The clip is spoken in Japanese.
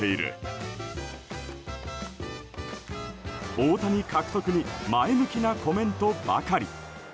大谷獲得に前向きなコメントばかり。